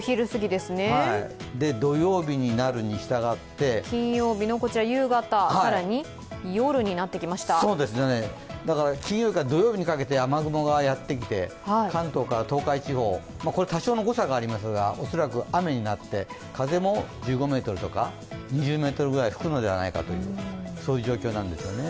土曜日になるにしたがって金曜日のこちら夕方、金曜から土曜にかけて雨雲がやってきて関東から東海地方、これは多少の誤差がありますが恐らく雨になって、風も１５メートルとか、２０メートルぐらい吹くのではないかという状況なんですね。